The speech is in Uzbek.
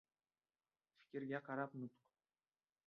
• Fikrga qarab nutq.